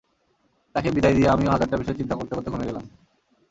তাকে বিদায় দিয়ে আমিও হাজারটা বিষয় চিন্তা করতে করতে ঘুমিয়ে গেলাম।